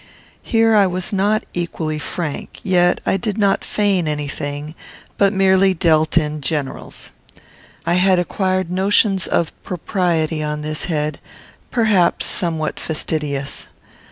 Here I was not equally frank; yet I did not feign any thing, but merely dealt in generals. I had acquired notions of propriety on this head, perhaps somewhat fastidious.